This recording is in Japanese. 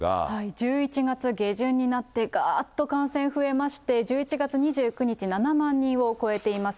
１１月下旬になって、がーっと感染増えまして、１１月２９日、７万人を超えています。